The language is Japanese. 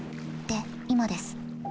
で今です。